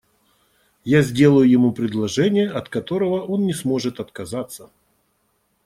Я сделаю ему предложение, от которого он не сможет отказаться.